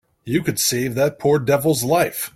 You could save that poor devil's life.